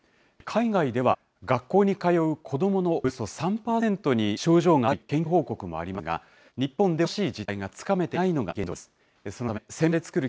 海外では学校に通う子どものおよそ３％に症状があるといった研究報告もありますが、日本では詳しい実態がつかめていないのが現状です。